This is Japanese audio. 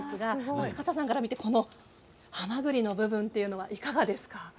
増形さんから見てこのはまぐりの部分はいかがですか。